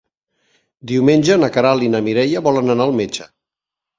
Diumenge na Queralt i na Mireia volen anar al metge.